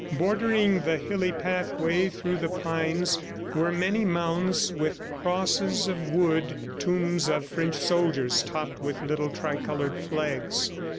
Bordering the hilly pathway through the pines, were many mounds with crosses of wood tombs of French soldiers topped with little tricolored flags.